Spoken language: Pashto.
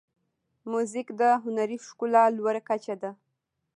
موزیک د هنري ښکلا لوړه کچه ده.